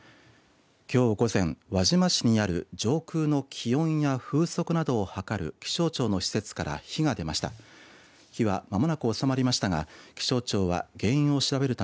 きょう午前、輪島市にある上空の気温や風速などを測る気象庁の施設から火が出ました。